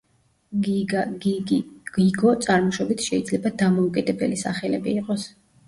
გიგა, გიგი, გიგო წარმოშობით შეიძლება დამოუკიდებელი სახელები იყოს.